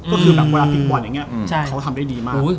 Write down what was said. เวลาพิกบอลไรเงี้ยเค้าทำได้ดีมาก